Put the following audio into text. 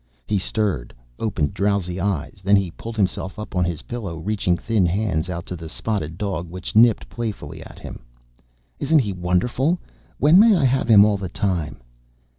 He stirred, opened drowsy eyes. Then he pulled himself up on his pillow, reaching thin hands out to the spotted dog which nipped playfully at him. "Isn't he wonderful? When may I have him all the time?"